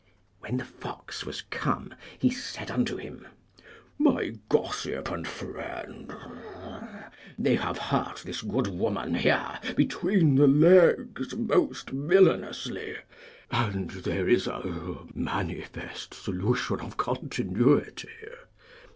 When the fox was come, he said unto him, My gossip and friend, they have hurt this good woman here between the legs most villainously, and there is a manifest solution of continuity.